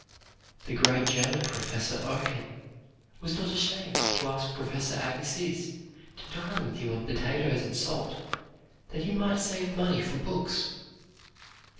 The great German Professor Oken was not ashamed to ask Professor Agassiz to dine with him on potatoes and salt, that he might save money for books.